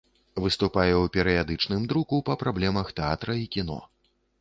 Выступае ў перыядычным друку па праблемах тэатра і кіно.